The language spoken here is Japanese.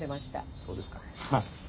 そうですか。